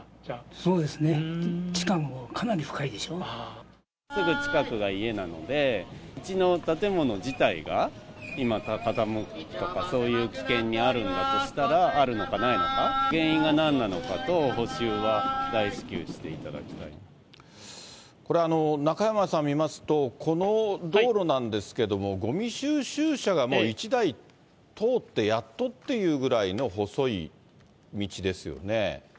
そうですね、すぐ近くが家なので、うちの建物自体が今、傾くとか、そういう危険にあるんだとしたら、あるのかないのか、原因がなんなのかと、これ、中山さん、見ますと、この道路なんですけども、ごみ収集車がもう１台通ってやっとっていうぐらいの細い道ですよね。